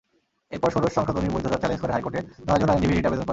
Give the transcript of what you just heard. এরপর ষোড়শ সংশোধনীর বৈধতা চ্যালেঞ্জ করে হাইকোর্টে নয়জন আইনজীবী রিট আবেদন করেন।